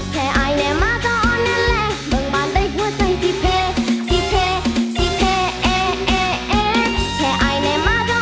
แค่อายแน่มากกก็อ่อนแน่แหละ